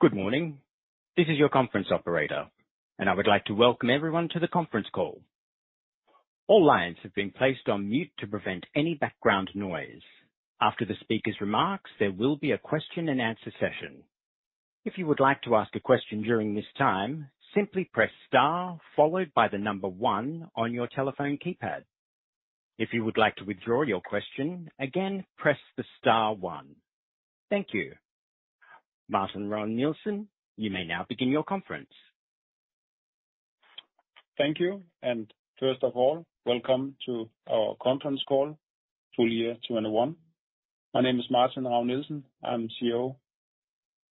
Good morning. This is your conference operator, and I would like to welcome everyone to the conference call. All lines have been placed on mute to prevent any background noise. After the speaker's remarks, there will be a question and answer session. If you would like to ask a question during this time, simply press star followed by the number one on your telephone keypad. If you would like to withdraw your question, again, press the star one. Thank you. Martin Ravn-Nielsen, you may now begin your conference. Thank you. First of all, welcome to our conference call, full year 2021. My name is Martin Ravn-Nielsen. I'm CEO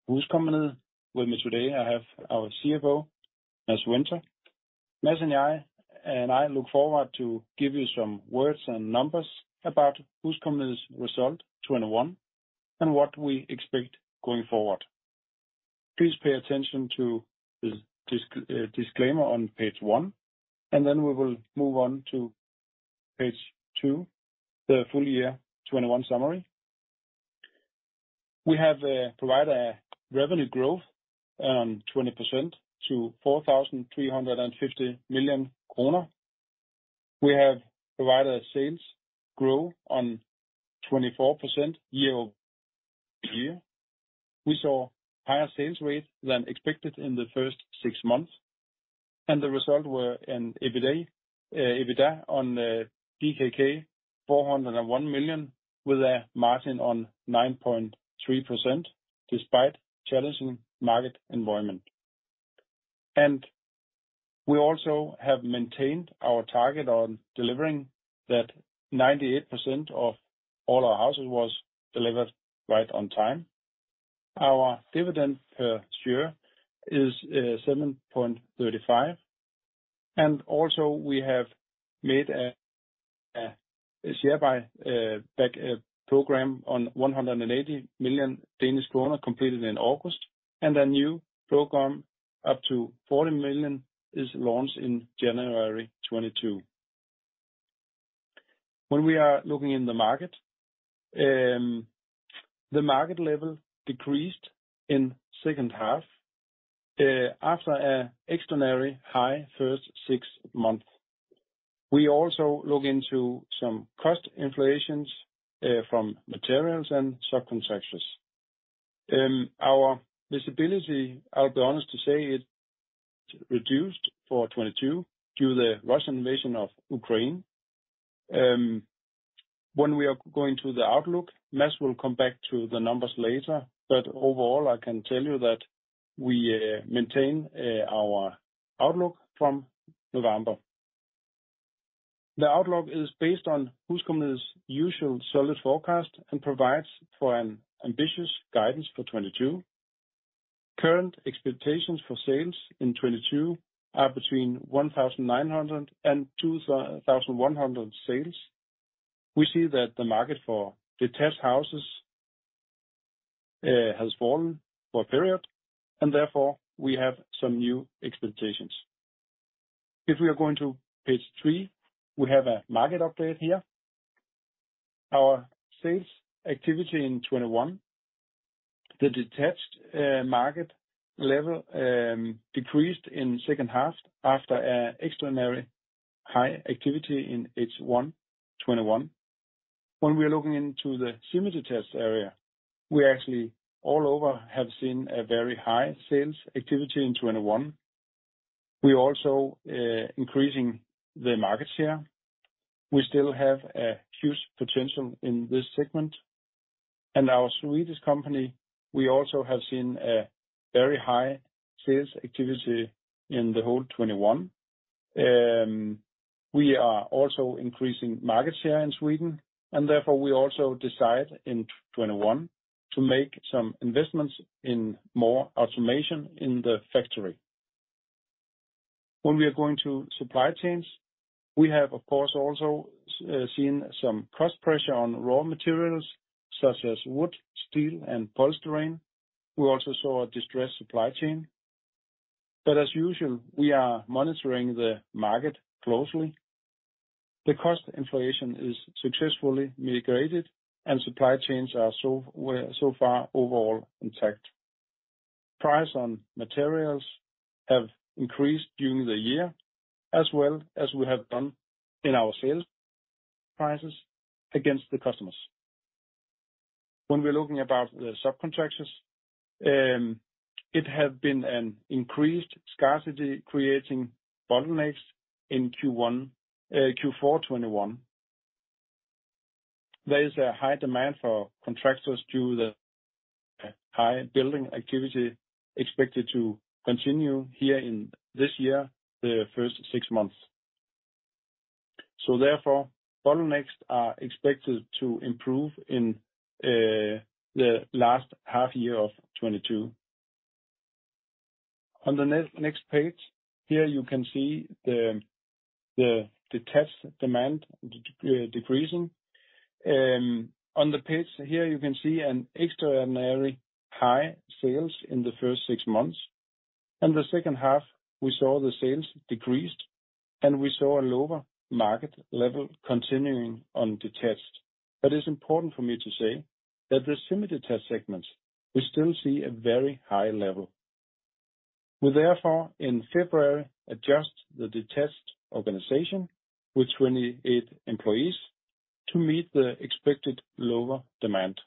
of HusCompagniet. With me today, I have our CFO, Mads Winther. Mads and I look forward to give you some words and numbers about HusCompagniet's result 2021, and what we expect going forward. Please pay attention to the disclaimer on page one, and then we will move on to page two, the full year 2021 summary. We have provide a revenue growth of 20% to 4,315 million kroner. We have provided a sales growth of 24% year-over-year. We saw higher sales rate than expected in the first six months, and the result were an EBITDA on 401 million with a margin on 9.3% despite challenging market environment. We also have maintained our target on delivering that 98% of all our houses was delivered right on time. Our dividend per share is 7.35. We have made a share buyback program on 180 million Danish kroner completed in August, and a new program up to 40 million is launched in January 2022. When we are looking in the market, the market level decreased in second half after an extraordinary high first six months. We also look into some cost inflations from materials and subcontractors. Our visibility, I'll be honest to say it reduced for 2022 due to the Russian invasion of Ukraine. When we are going to the outlook, Mads will come back to the numbers later, but overall, I can tell you that we maintain our outlook from November. The outlook is based on HusCompagniet's usual solid forecast and provides for an ambitious guidance for 2022. Current expectations for sales in 2022 are between 1,900 and 2,100 sales. We see that the market for detached houses has fallen for a period, and therefore we have some new expectations. If we are going to page three, we have a market update here. Our sales activity in 2021, the detached market level, decreased in second half after an extraordinary high activity in H1 2021. When we're looking into the semi-detached area, we actually overall have seen a very high sales activity in 2021. We also are increasing the market share. We still have a huge potential in this segment. Our Swedish company, we also have seen a very high sales activity in the whole 2021. We are also increasing market share in Sweden, and therefore we also decide in 2021 to make some investments in more automation in the factory. When it comes to supply chains, we have of course also seen some cost pressure on raw materials such as wood, steel, and polystyrene. We also saw a disrupted supply chain. As usual, we are monitoring the market closely. The cost inflation is successfully mitigated and supply chains are so far overall intact. Prices on materials have increased during the year, as well as we have done in our sales prices against the customers. When we're looking about the subcontractors, it have been an increased scarcity creating bottlenecks in Q4 2021. There is a high demand for contractors due to the high building activity expected to continue here in this year, the first six months. Therefore, bottlenecks are expected to improve in the last half year of 2022. On the next page, here you can see the detached demand decreasing. On the page here you can see an extraordinary high sales in the first six months. In the second half, we saw the sales decreased, and we saw a lower market level continuing on detached. It's important for me to say that the semi-detached segments, we still see a very high level. We therefore, in February, adjust the detached organization with 28 employees to meet the expected lower demand.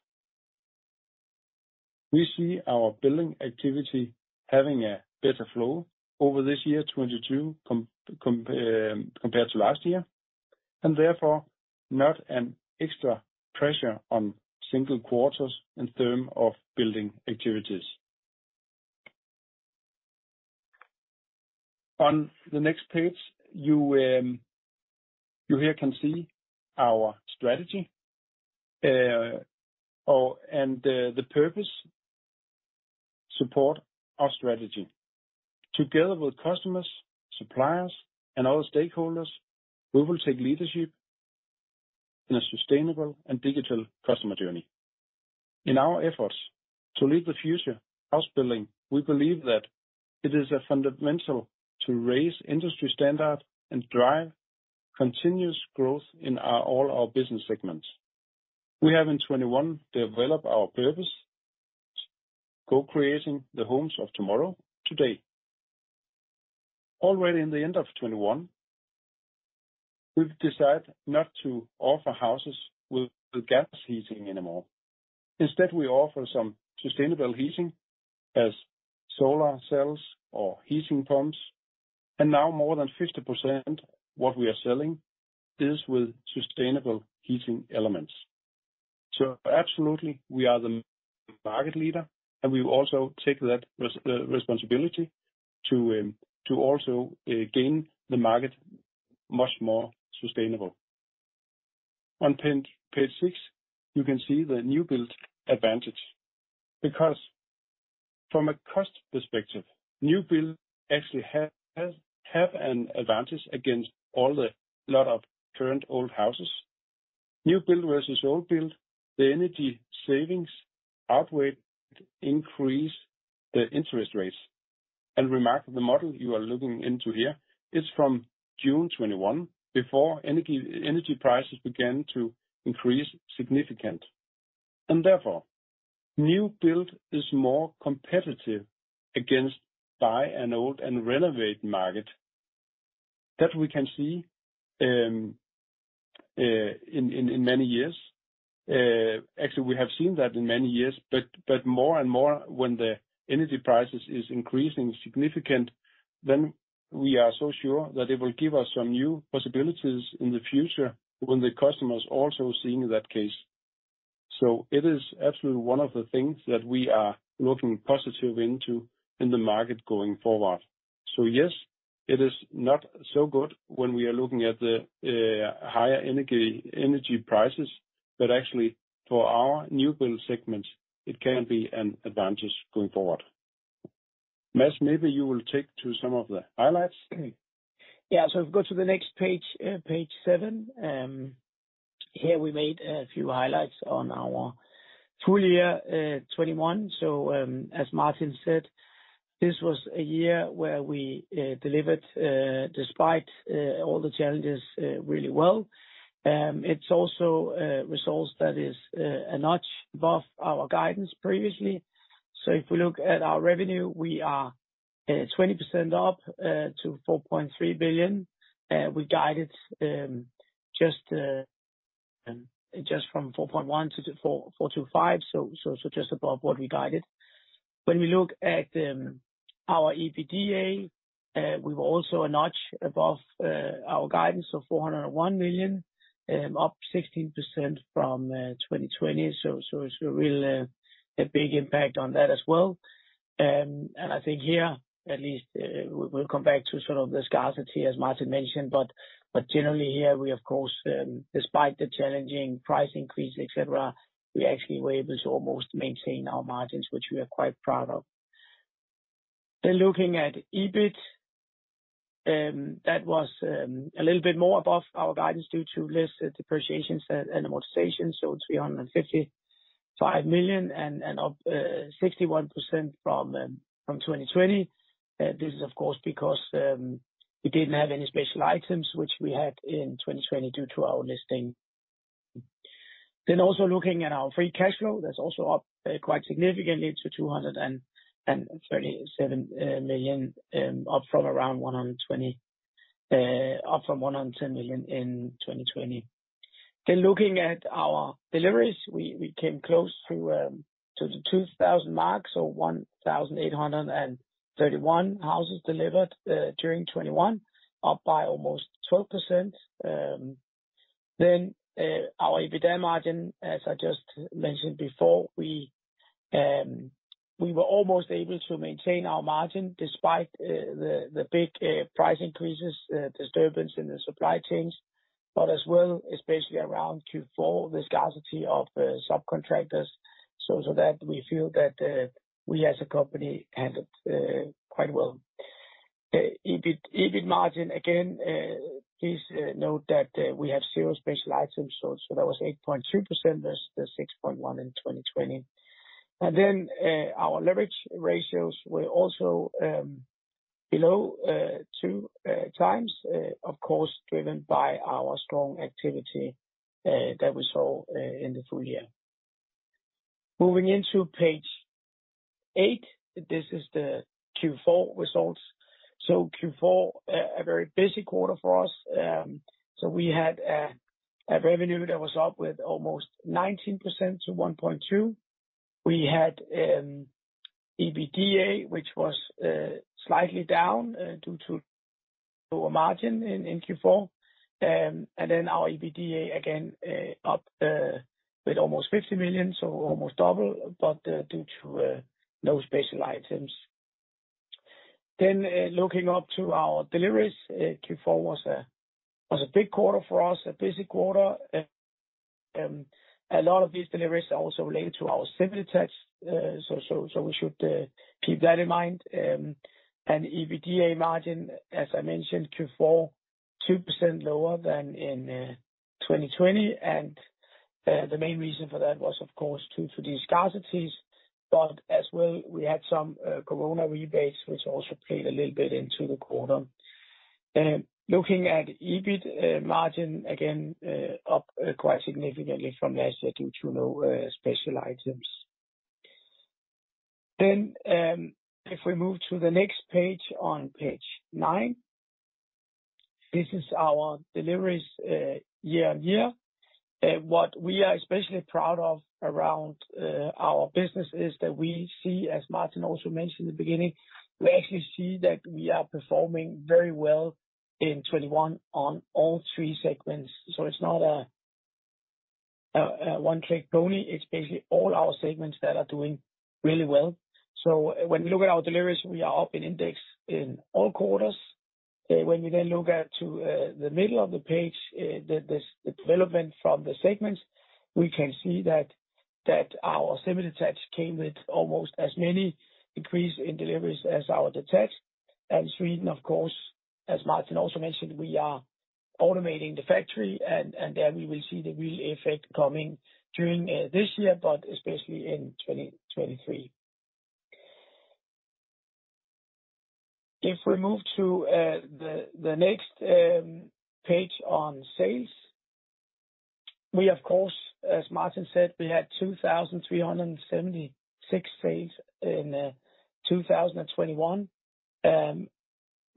We see our building activity having a better flow over this year, 2022, compared to last year, and therefore not an extra pressure on single quarters in terms of building activities. On the next page, you here can see our strategy and the purpose supports our strategy. Together with customers, suppliers and other stakeholders, we will take leadership in a sustainable and digital customer journey. In our efforts to lead the future house building, we believe that it is fundamental to raise industry standards and drive continuous growth in all our business segments. We have in 2021 developed our purpose, co-creating the homes of tomorrow today. Already in the end of 2021, we've decided not to offer houses with gas heating anymore. Instead, we offer some sustainable heating as solar cells or heat pumps, and now more than 50% what we are selling is with sustainable heating elements. Absolutely we are the market leader, and we also take that responsibility to also gain the market much more sustainable. On page six, you can see the new build advantage because from a cost perspective, new build actually has an advantage against a lot of current old houses. New build versus old build, the energy savings outweigh the increase in the interest rates. Remarkably, the model you are looking into here is from June 2021, before energy prices began to increase significantly. Therefore, new build is more competitive against buy an old and renovate market that we can see in many years. Actually we have seen that in many years, but more and more when the energy prices is increasing significant, then we are so sure that it will give us some new possibilities in the future when the customers also seeing that case. It is absolutely one of the things that we are looking positive into in the market going forward. Yes, it is not so good when we are looking at the higher energy prices, but actually for our new build segments it can be an advantage going forward. Mads, maybe you will take to some of the highlights. Yeah. If you go to the next page seven, here we made a few highlights on our full year 2021. As Martin said, this was a year where we delivered despite all the challenges really well. It's also a result that is a notch above our guidance previously. If we look at our revenue, we are 20% up to 4.3 billion. We guided just from 4.1 billion to 4.425 billion, so just above what we guided. When we look at our EBITDA, we're also a notch above our guidance of 401 million up 16% from 2020. It's really a big impact on that as well. I think here at least we'll come back to sort of the scarcity as Martin mentioned, but generally here we of course, despite the challenging price increase, et cetera, we actually were able to almost maintain our margins, which we are quite proud of. Looking at EBIT, that was a little bit more above our guidance due to less depreciation and amortization, so 355 million and up 61% from 2020. This is of course because we didn't have any special items which we had in 2020 due to our listing. Looking also at our free cash flow, that's also up quite significantly to 237 million, up from 110 million in 2020. Looking at our deliveries, we came close to the 2,000 mark, so 1,831 houses delivered during 2021, up by almost 12%. Our EBITDA margin, as I just mentioned before, we were almost able to maintain our margin despite the big price increases, disturbance in the supply chains, but as well, especially around Q4, the scarcity of subcontractors. That we feel that we as a company handled quite well. The EBIT margin, again, please note that we have zero special items. That was 8.2% versus the 6.1% in 2020. Our leverage ratios were also below 2x, of course, driven by our strong activity that we saw in the full year. Moving into page eight, this is the Q4 results. Q4, a very busy quarter for us. We had a revenue that was up almost 19% to 1.2 billion. We had EBITDA, which was slightly down due to lower margin in Q4. Our EBITDA again up almost 50 million, so almost double, but due to no special items. Looking at our deliveries, Q4 was a big quarter for us, a busy quarter. A lot of these deliveries are also related to our semi-detached. We should keep that in mind. EBITDA margin, as I mentioned, Q4 2% lower than in 2020. The main reason for that was of course due to the scarcities, but as well, we had some COVID rebates which also played a little bit into the quarter. Looking at EBIT margin again, up quite significantly from last year due to no special items. If we move to the next page, on page nine, this is our deliveries year-on-year. What we are especially proud of around our business is that we see, as Martin also mentioned in the beginning, we actually see that we are performing very well in 2021 on all three segments. It's not a one-trick pony, it's basically all our segments that are doing really well. When we look at our deliveries, we are up in index in all quarters. When we then look at the middle of the page, the development from the segments, we can see that our semi-detached came with almost as many increase in deliveries as our detached. Sweden of course, as Martin also mentioned, we are automating the factory and there we will see the real effect coming during this year, but especially in 2023. If we move to the next page on sales. We of course, as Martin said, we had 2,376 sales in 2021.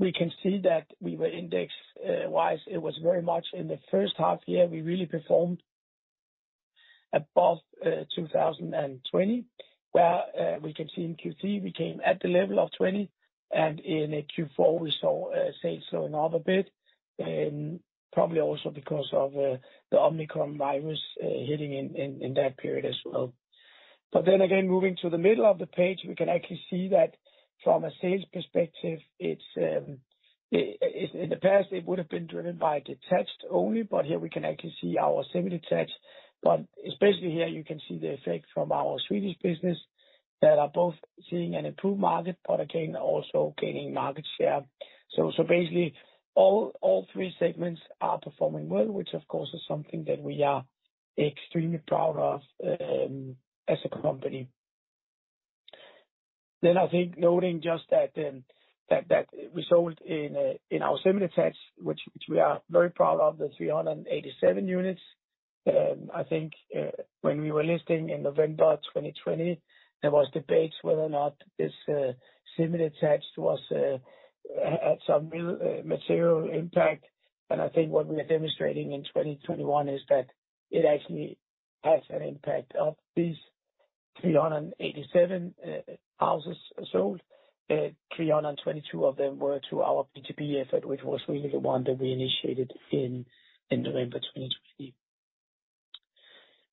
We can see that index-wise it was very much in the first half year we really performed above 2020, where we can see in Q3 we came at the level of 20, and in Q4 we saw sales slowing down a bit, probably also because of the Omicron virus hitting in that period as well. Moving to the middle of the page, we can actually see that from a sales perspective, it's in the past, it would have been driven by detached only, but here we can actually see our semi-detached. Especially here you can see the effect from our Swedish business that are both seeing an improved market, but again, also gaining market share. Basically all three segments are performing well, which of course is something that we are extremely proud of as a company. I think noting just that we sold in our semi-detached, which we are very proud of, the 387 units. I think when we were listing in November 2020, there was debate whether or not this semi-detached had some real material impact. I think what we are demonstrating in 2021 is that it actually has an impact of these 387 houses sold. 322 of them were through our B2B effort, which was really the one that we initiated in November 2020.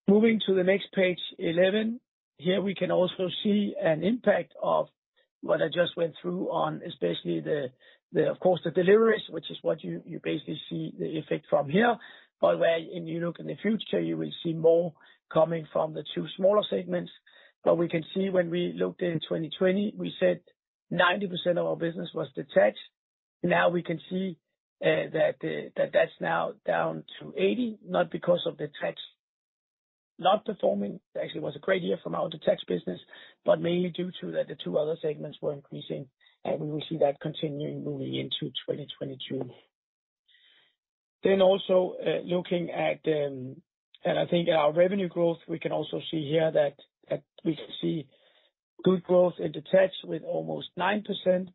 Moving to the next page, 11. Here we can also see an impact of what I just went through on especially the of course, the deliveries, which is what you basically see the effect from here. When you look in the future, you will see more coming from the two smaller segments. We can see when we looked in 2020, we said 90% of our business was detached. Now we can see that that's now down to 80%, not because of detached not performing. It actually was a great year from our detached business, but mainly due to that the two other segments were increasing, and we will see that continuing moving into 2022. Also, looking at and I think our revenue growth, we can also see here that we can see good growth in detached with almost 9%,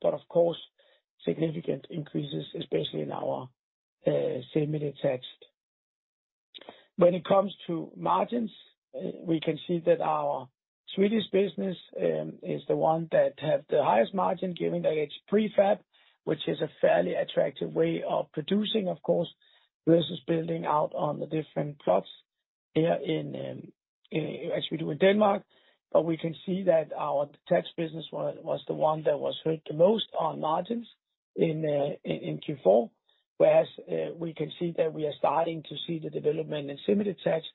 but of course, significant increases, especially in our semi-detached. When it comes to margins, we can see that our Swedish business is the one that have the highest margin given that it's prefab, which is a fairly attractive way of producing, of course, versus building out on the different plots there in as we do in Denmark. We can see that our detached business was the one that was hurt the most on margins in Q4. Whereas, we can see that we are starting to see the development in semi-detached.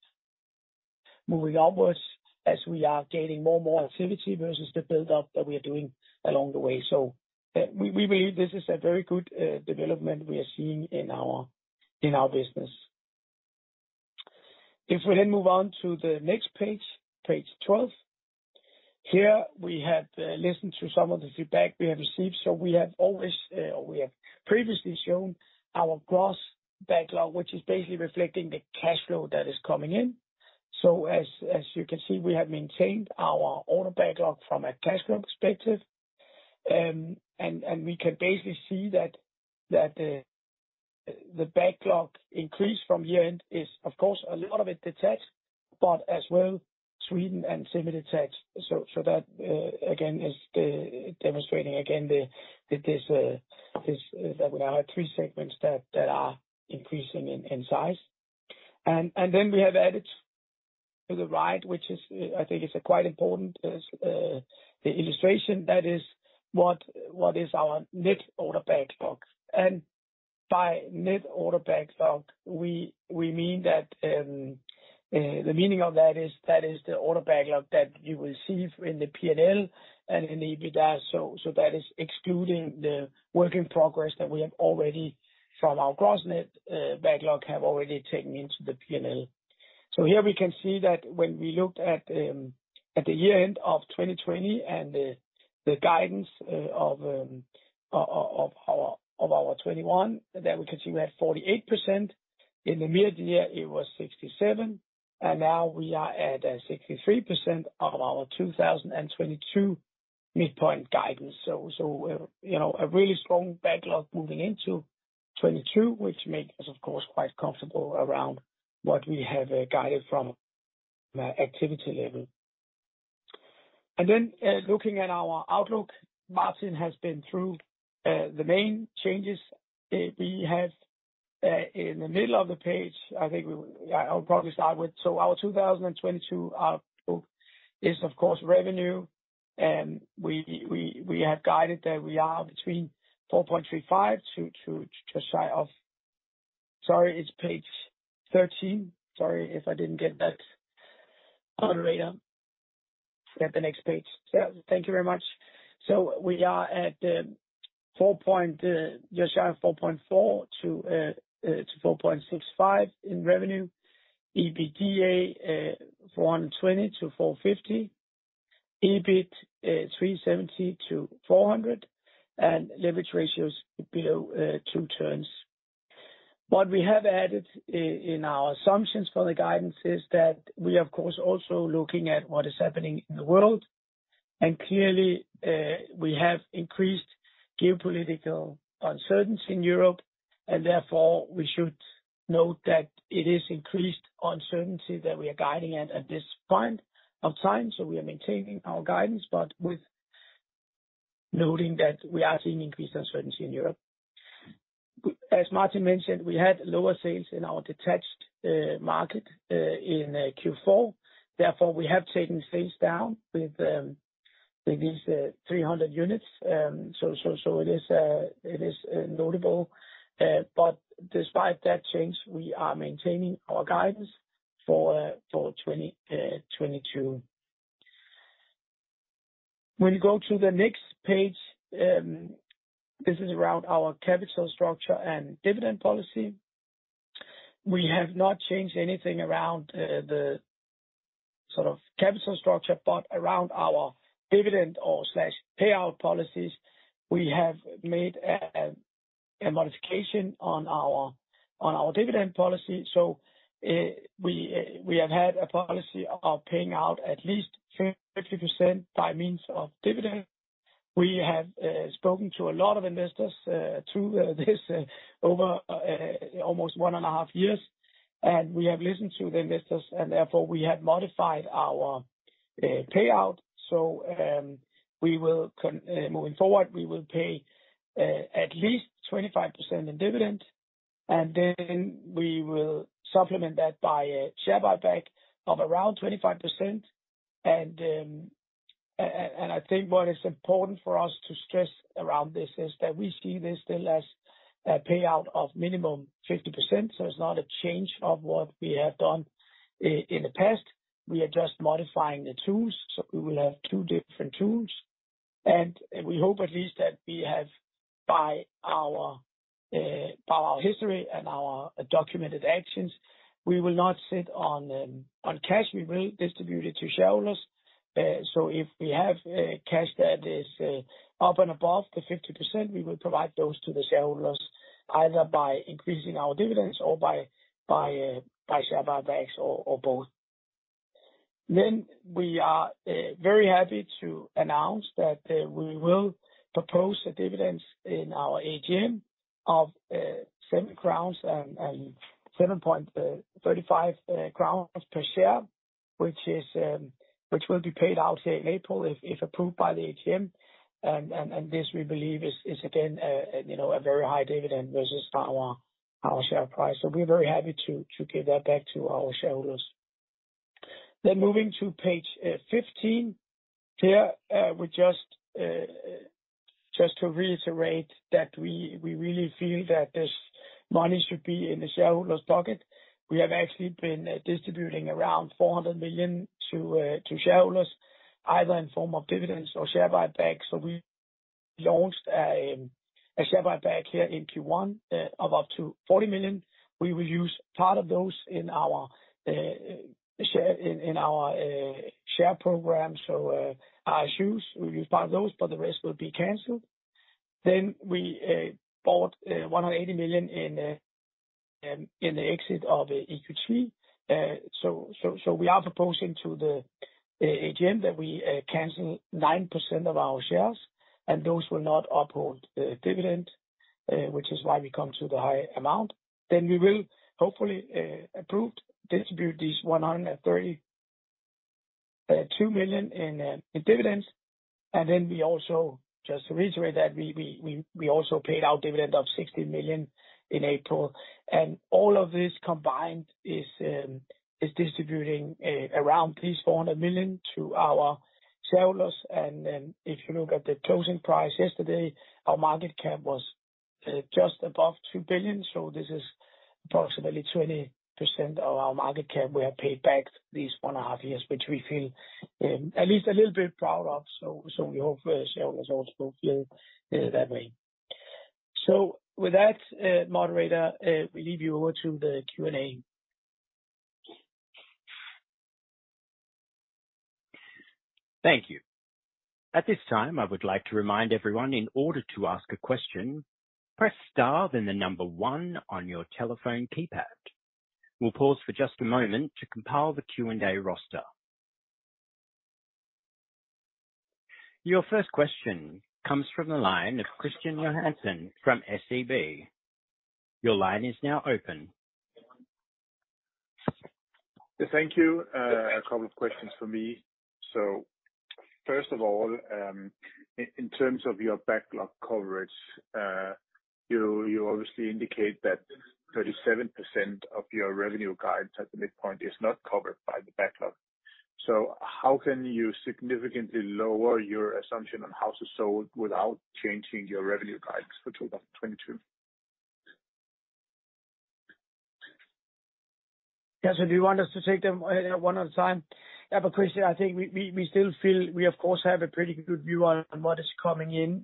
Moving onwards, as we are gaining more and more activity versus the build-up that we are doing along the way. We believe this is a very good development we are seeing in our business. If we move on to the next page 12. Here we have listened to some of the feedback we have received. We have previously shown our gross backlog, which is basically reflecting the cash flow that is coming in. As you can see, we have maintained our order backlog from a cash flow perspective. We can basically see that the backlog increase from year-end is of course a lot of it detached, but as well Sweden and semi-detached. That again is demonstrating again that this that we now have three segments that are increasing in size. Then we have added to the right, which is, I think it's quite important, the illustration, that is what is our net order backlog. By net order backlog, we mean that the meaning of that is the order backlog that you will see in the P&L and in the EBITDA. That is excluding the work in progress that we have already from our gross net backlog have already taken into the P&L. Here we can see that when we looked at the year-end of 2020 and the guidance of our 2021, there we can see we're at 48%. In the mid-year it was 67, and now we are at 63% of our 2022 midpoint guidance. You know, a really strong backlog moving into 2022, which makes us of course quite comfortable around what we have guided from an activity level. Looking at our outlook, Martin has been through the main changes. We have in the middle of the page. I think I'll probably start with. Our 2022 outlook is of course revenue, and we have guided that we are between 4.35 billion to just shy of. Sorry, it's page 13. Sorry if I didn't get that on the radar. Yeah, the next page. Yeah. Thank you very much. We are at just shy of 4.4 billion-4.65 billion in revenue. EBITDA 420 million-450 million. EBIT 370 million- 400 million, and leverage ratios below 2x. What we have added in our assumptions for the guidance is that we of course also looking at what is happening in the world. Clearly, there is increased geopolitical uncertainty in Europe, and therefore we should note that it is increased uncertainty that we are guiding at this point of time. We are maintaining our guidance, but with noting that we are seeing increased uncertainty in Europe. As Martin mentioned, we had lower sales in our detached market in Q4. Therefore, we have taken sales down with these 300 units. It is notable. Despite that change, we are maintaining our guidance for 2022. When you go to the next page, this is around our capital structure and dividend policy. We have not changed anything around the sort of capital structure, but around our dividend or slash payout policies, we have made a modification on our dividend policy. We have had a policy of paying out at least 50% by means of dividend. We have spoken to a lot of investors through this over almost one and a half years, and we have listened to the investors, and therefore we have modified our payout. Moving forward, we will pay at least 25% in dividend, and then we will supplement that by a share buyback of around 25%. I think what is important for us to stress around this is that we see this still as a payout of minimum 50%. It's not a change of what we have done in the past. We are just modifying the tools, so we will have two different tools. We hope at least that we have by our history and our documented actions, we will not sit on cash. We will distribute it to shareholders. If we have cash that is up and above the 50%, we will provide those to the shareholders, either by increasing our dividends or by share buybacks or both. We are very happy to announce that we will propose the dividends in our AGM of 7 crowns and 7.35 crowns per share, which will be paid out in April if approved by the AGM. This we believe is again, you know, a very high dividend versus our share price. We're very happy to give that back to our shareholders. Moving to page 15. Here we just to reiterate that we really feel that this money should be in the shareholders' pocket. We have actually been distributing around 400 million to shareholders, either in form of dividends or share buyback. We launched a share buyback here in Q1 of up to 40 million. We will use part of those in our share program. Our shares, we'll use part of those, but the rest will be canceled. We bought 180 million in the exit of EQT. So we are proposing to the AGM that we cancel 9% of our shares, and those will not uphold the dividend, which is why we come to the high amount. We will hopefully approve and distribute 132 million in dividends. Just to reiterate that, we also paid out dividend of 60 million in April. All of this combined is distributing around 400 million to our shareholders. Then if you look at the closing price yesterday, our market cap was just above 2 billion. This is approximately 20% of our market cap we have paid back these 1.5 years, which we feel at least a little bit proud of. We hope the shareholders also feel that way. With that, moderator, we leave you over to the Q&A. Thank you. At this time, I would like to remind everyone in order to ask a question, press star then the number one on your telephone keypad. We'll pause for just a moment to compile the Q&A roster. Your first question comes from the line of Kristian Johansen from SEB. Your line is now open. Thank you. A couple of questions for me. First of all, in terms of your backlog coverage, you obviously indicate that 37% of your revenue guidance at the midpoint is not covered by the backlog. How can you significantly lower your assumption on houses sold without changing your revenue guidance for 2022? Yes. Do you want us to take them one at a time? Yeah, but Kristian, I think we still feel we of course have a pretty good view on what is coming in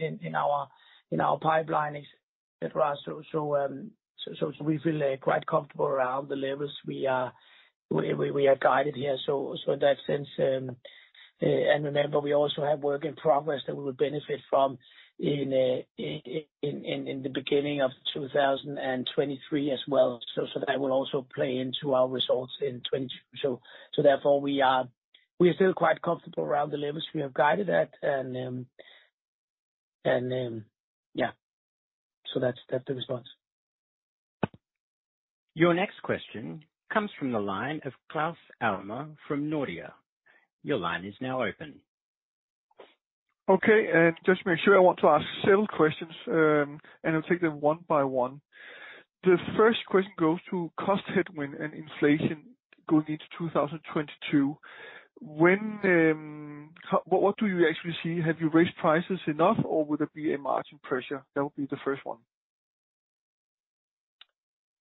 in our pipeline, etc. We feel quite comfortable around the levels we are guided here. In that sense, remember we also have work in progress that we would benefit from in the beginning of 2023 as well. That will also play into our results in 2022. Therefore we are still quite comfortable around the levels we have guided at. Yeah. That's the response. Your next question comes from the line of Claus Almer from Nordea. Your line is now open. Okay. I just want to make sure I ask several questions, and I'll take them one by one. The first question goes to cost headwind and inflation going into 2022. What do you actually see? Have you raised prices enough, or would there be a margin pressure? That would be the first one.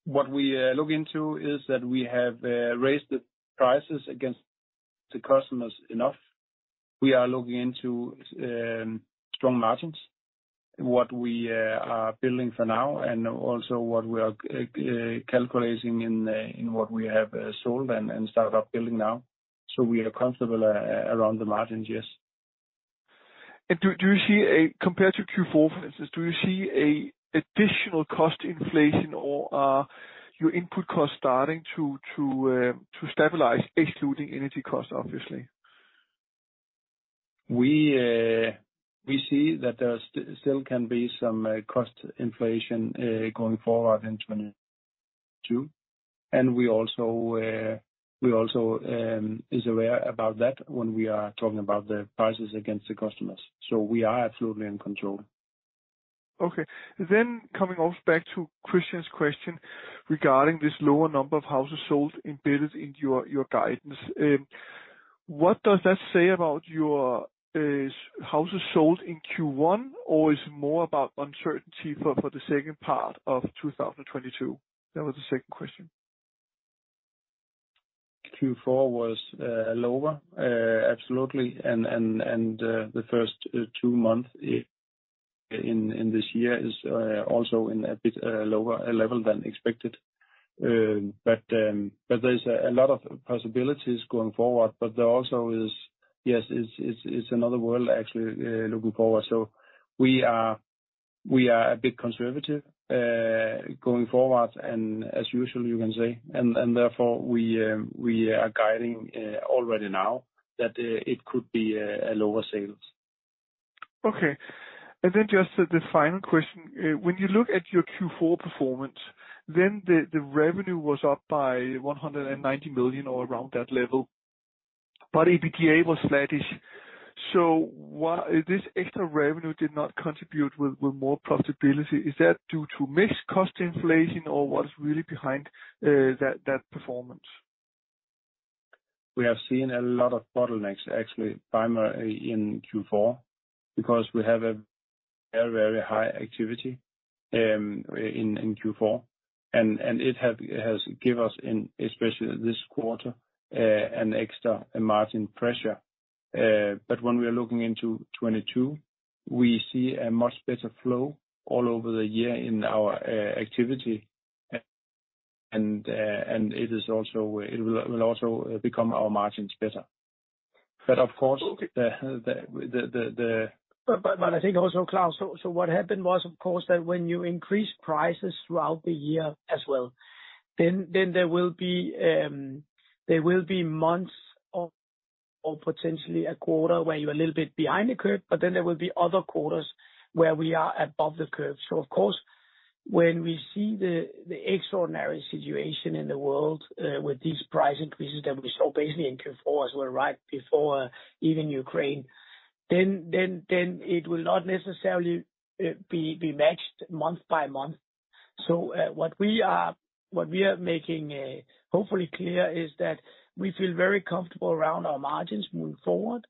What we look into is that we have raised the prices against the customers enough. We are looking into strong margins, what we are building for now, and also what we are calculating in what we have sold and started up building now. We are comfortable around the margins, yes. Do you see, compared to Q4, for instance, do you see an additional cost inflation, or are your input costs starting to stabilize excluding energy costs, obviously? We see that there still can be some cost inflation going forward in 2022. We also is aware about that when we are talking about the prices against the customers. We are absolutely in control. Okay. Coming back to Kristian's question regarding this lower number of houses sold embedded in your guidance. What does that say about your houses sold in Q1, or is it more about uncertainty for the second part of 2022? That was the second question. Q4 was lower absolutely. The first two months in this year is also in a bit lower level than expected. There's a lot of possibilities going forward. There also is, yes, it's another world actually looking forward. We are a bit conservative going forward and as usual you can say. Therefore we are guiding already now that it could be a lower sales. Okay. Then just the final question. When you look at your Q4 performance, the revenue was up by 190 million or around that level, but EBITDA was flattish. Why this extra revenue did not contribute with more profitability? Is that due to mix cost inflation or what's really behind that performance? We have seen a lot of bottlenecks actually primarily in Q4 because we have a very high activity in Q4. It has given us, especially in this quarter, an extra margin pressure. When we are looking into 2022, we see a much better flow all over the year in our activity. It will also make our margins better. I think also Claus, what happened was of course that when you increase prices throughout the year as well, then there will be months or potentially a quarter where you're a little bit behind the curve, but then there will be other quarters where we are above the curve. Of course, when we see the extraordinary situation in the world with these price increases that we saw basically in Q4 as well, right before even Ukraine, then it will not necessarily be matched month by month. What we are making hopefully clear is that we feel very comfortable around our margins moving forward.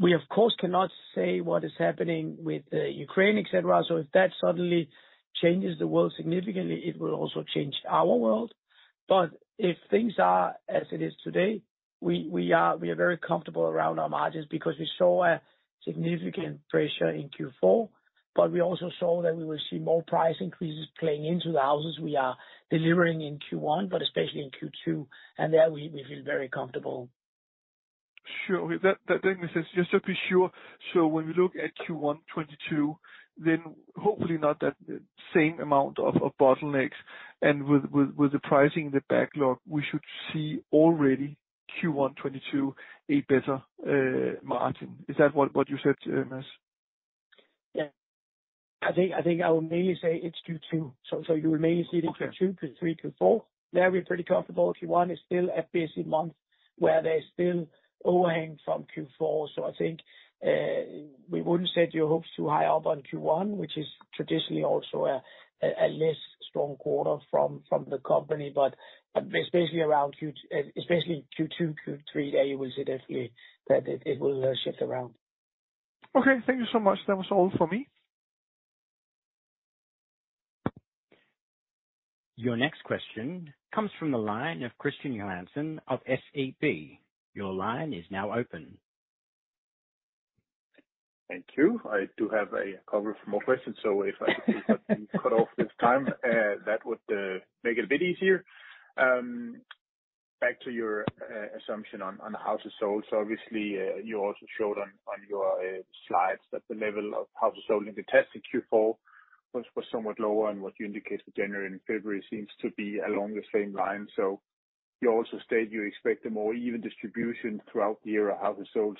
We of course cannot say what is happening with the Ukraine, et cetera. If that suddenly changes the world significantly, it will also change our world. If things are as it is today, we are very comfortable around our margins because we saw a significant pressure in Q4, but we also saw that we will see more price increases playing into the houses we are delivering in Q1, but especially in Q2. There we feel very comfortable. Sure. That makes sense. Just to be sure, when we look at Q1 2022, then hopefully not that same amount of bottlenecks and with the pricing in the backlog, we should see already Q1 2022 a better margin. Is that what you said, Mads? I think I will mainly say it's Q2. You will mainly see it in Q2, Q3, Q4. There we're pretty comfortable. Q1 is still a busy month where there's still overhang from Q4. I think we wouldn't set your hopes too high up on Q1, which is traditionally also a less strong quarter from the company. It's basically around especially Q2, Q3 there you will see definitely that it will shift around. Okay, thank you so much. That was all from me. Your next question comes from the line of Kristian Johansen of SEB. Your line is now open. Thank you. I do have a couple more questions. If I can keep to this time, that would make it a bit easier. Back to your assumption on houses sold. Obviously, you also showed on your slides that the level of houses sold in detached in Q4 was somewhat lower, and what you indicated for January and February seems to be along the same lines. You also state you expect a more even distribution throughout the year of houses sold.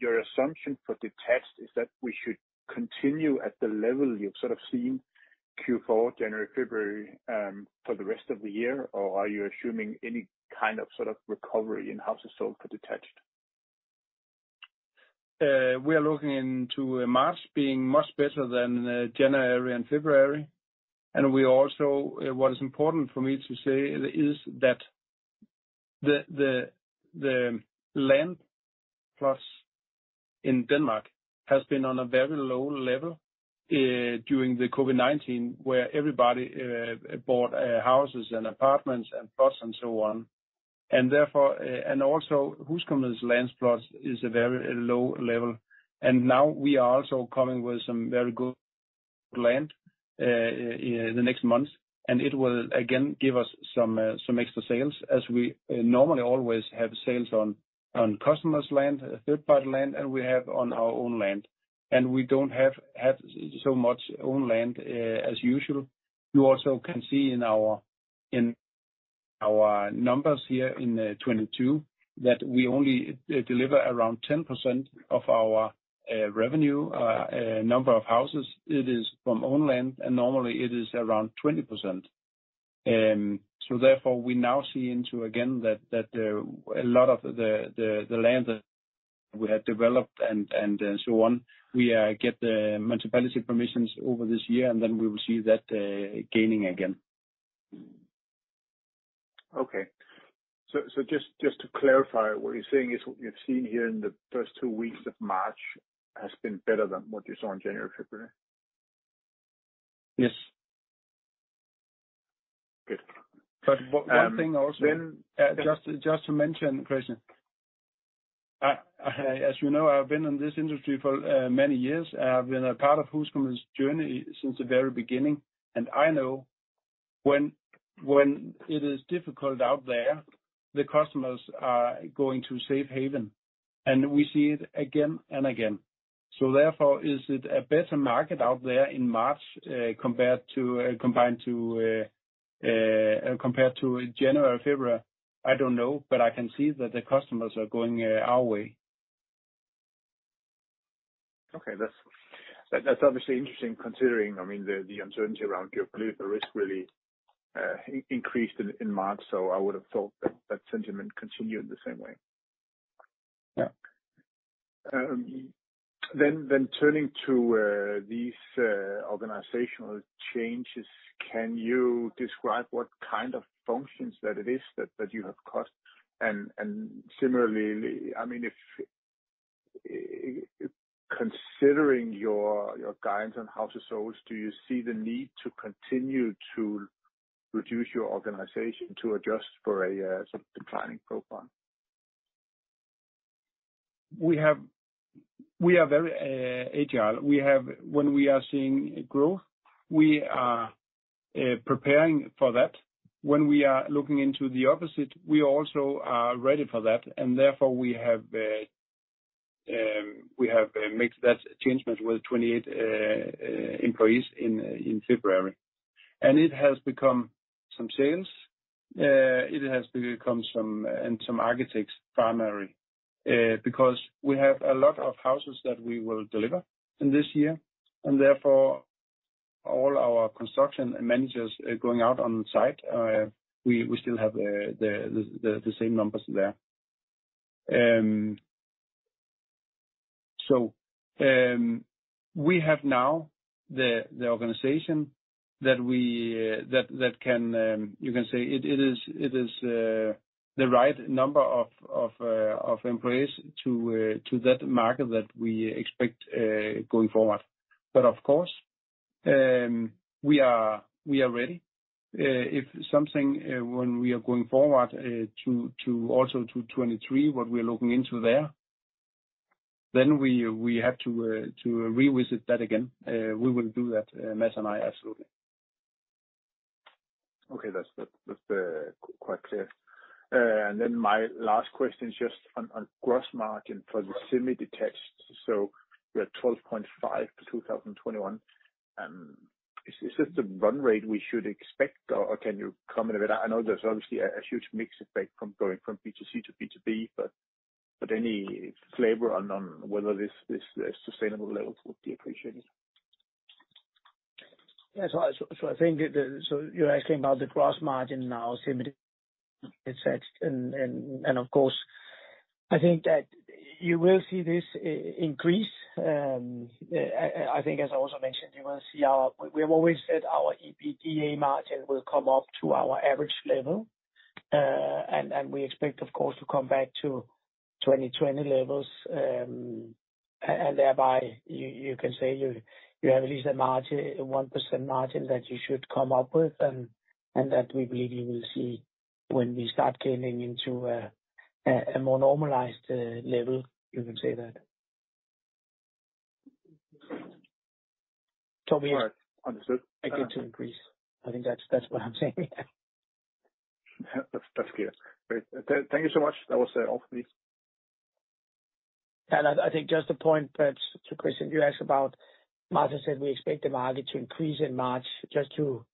Your assumption for detached is that we should continue at the level you've sort of seen Q4, January, February, for the rest of the year? Or are you assuming any kind of sort of recovery in houses sold for detached? We are looking into March being much better than January and February. What is important for me to say is that the land plots in Denmark has been on a very low level during COVID-19, where everybody bought houses and apartments and plots and so on. Therefore, HusCompagniet's land plots is a very low level. Now we are also coming with some very good land in the next months, and it will again give us some extra sales as we normally always have sales on customers land, third party land, and we have on our own land. We don't have so much own land as usual. You also can see in our numbers here in 2022 that we only deliver around 10% of our revenue number of houses. It is from own land, and normally it is around 20%. Therefore we now see it going again that a lot of the land that we have developed and so on we get the municipality permissions over this year, and then we will see that gaining again. Okay. Just to clarify, what you're saying is what you've seen here in the first two weeks of March has been better than what you saw in January, February? Yes. Good. One thing also, just to mention, Kristian. I, as you know, I've been in this industry for many years. I've been a part of HusCompagniet's journey since the very beginning. I know when it is difficult out there, the customers are going to safe haven, and we see it again and again. Therefore, is it a better market out there in March compared to January or February? I don't know, but I can see that the customers are going our way. Okay. That's obviously interesting considering, I mean, the uncertainty around geopolitical risk really increased in March. I would have thought that sentiment continued the same way. Yeah. Turning to these organizational changes, can you describe what kind of functions that you have cut? Similarly, I mean, if considering your guidance on how to source, do you see the need to continue to reduce your organization to adjust for some declining profile? We are very agile. When we are seeing growth, we are preparing for that. When we are looking into the opposite, we also are ready for that, and therefore we have made that change with 28 employees in February. It has become some sales and some architects primarily, because we have a lot of houses that we will deliver in this year and therefore all our construction managers are going out on site. We still have the same numbers there. We have now the organization that can, you can say it is the right number of employees to that market that we expect going forward. Of course, we are ready if something when we are going forward to also to 2023, what we're looking into there, then we have to revisit that again. We will do that, Mads and I, absolutely. Okay. That's quite clear. My last question is just on gross margin for the semi-detached. We are 12.5% for 2021. Is this the run rate we should expect or can you comment a bit? I know there's obviously a huge mix effect from going from B2C to B2B, but any flavor on whether this is a sustainable level would be appreciated. You're asking about the gross margin now, semi-detached and of course, I think that you will see this increase. I think as I also mentioned, you will see. We have always said our EBITDA margin will come up to our average level. We expect of course to come back to 2020 levels. Thereby you can say you have at least a margin, 1% margin that you should come up with. That we believe you will see when we start getting into a more normalized level. You can say that. All right. Understood. Again, to increase. I think that's what I'm saying. That's clear. Great. Thank you so much. That was all for me. I think just a point perhaps to Kristian you asked about. Martin said we expect the market to increase in March. Just to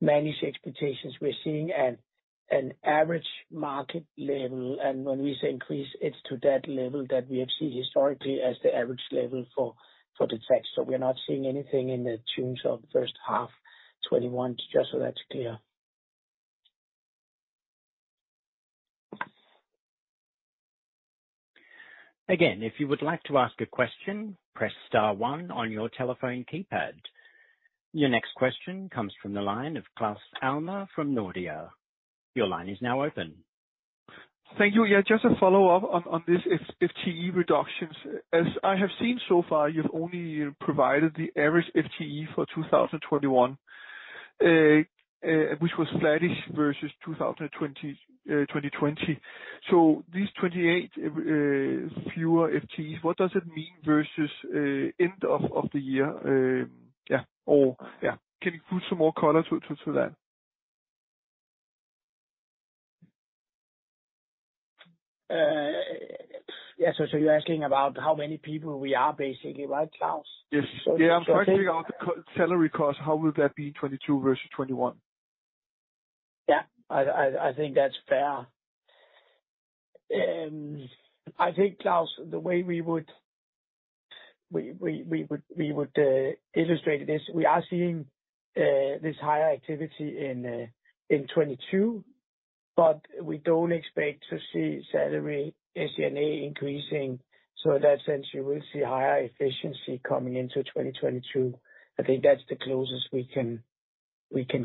manage the expectations, we're seeing an average market level. When we say increase, it's to that level that we have seen historically as the average level for detached. We are not seeing anything in the tune of first half 2021, just so that's clear. Your next question comes from the line of Claus Almer from Nordea. Your line is now open. Thank you. Yeah, just a follow-up on this FTE reductions. As I have seen so far, you've only provided the average FTE for 2021, which was flattish versus 2020. These 28 fewer FTEs, what does it mean versus end of the year? Can you put some more color to that? Yeah, you're asking about how many people we are basically, right, Claus? Yes. Yeah. I'm trying to figure out the co-salary cost. How will that be in 2022 versus 2021? Yeah. I think that's fair. I think, Claus, the way we would illustrate it is we are seeing this higher activity in 2022, but we don't expect to see salary SG&A increasing. In that sense, you will see higher efficiency coming into 2022. I think that's the closest we can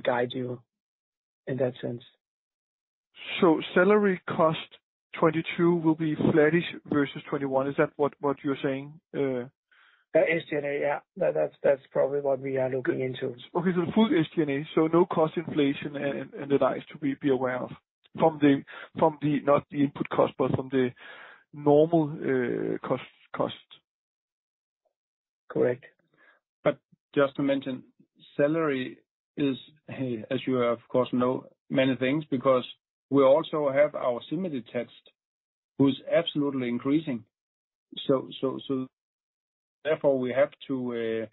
guide you in that sense. Salary cost 22 will be flattish versus 21. Is that what you're saying? SG&A, yeah. That's probably what we are looking into. Okay. Full SG&A, so no cost inflation and analyzed to be aware of not the input cost, but from the normal cost. Correct. Just to mention, salary is, as you of course know, many things because we also have our semi-detached houses absolutely increasing. Therefore we have to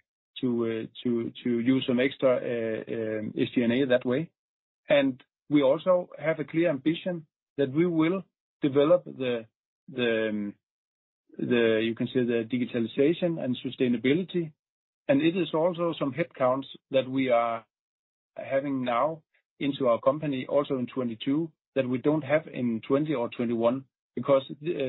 use some extra SG&A that way. We also have a clear ambition that we will develop the digitalization and sustainability, and it is also some headcounts that we are having now into our company also in 2022, that we don't have in 2020 or 2021, because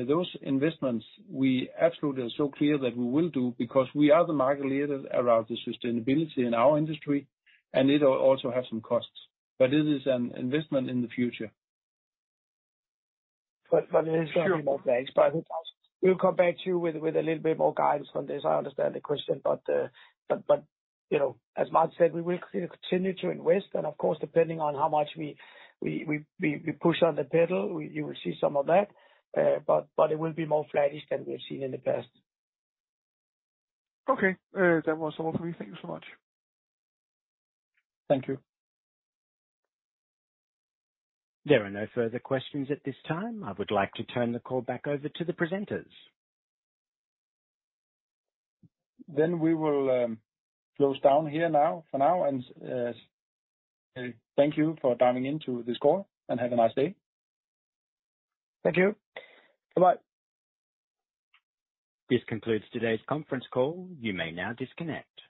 those investments we absolutely are so clear that we will do because we are the market leader around the sustainability in our industry, and it'll also have some costs, but it is an investment in the future. It is a few more things. I think we'll come back to you with a little bit more guidance on this. I understand the question, but you know, as Martin said, we will continue to invest. Of course, depending on how much we push on the pedal, you will see some of that. It will be more flattish than we've seen in the past. Okay. That was all for me. Thank you so much. Thank you. There are no further questions at this time. I would like to turn the call back over to the presenters. We will close down here now, for now. Thank you for dialing into this call and have a nice day. Thank you. Bye-bye. This concludes today's conference call. You may now disconnect.